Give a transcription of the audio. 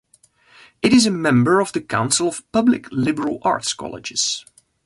It is a member of the Council of Public Liberal Arts Colleges.